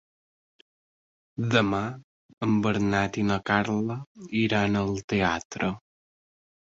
Demà en Bernat i na Carla iran al teatre.